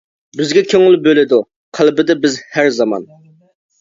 بىزگە كۆڭۈل بۆلىدۇ، قەلبىدە بىز ھەر زامان.